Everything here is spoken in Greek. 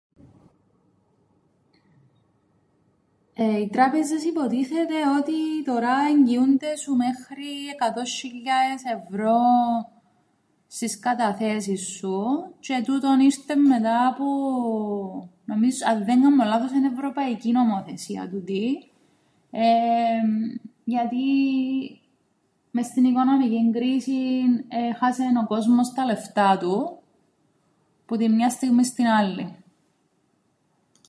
Εεε... Οι τράπεζες υποτίθεται ότι τωρά εγγυούνται σου μέχρι εκατόν σ̆ιλιάες ευρώ στις καταθέσεις σου, τζ̆αι τούτον ήρτεν μετά που... νομίζω- αν δεν κάμνω λάθος εν' ευρωπαϊκή νομοθεσία τούτη. Εεμ... Γιατί μες στην οικονομικήν κρίσην έχασεν ο κόσμος τα λεφτά του που την μιαν στιγμήν στην άλλην.